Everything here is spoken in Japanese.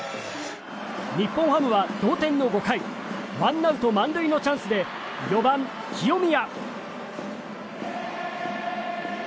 日本ハムは同点の５回ワンアウト満塁のチャンスで４番、清宮。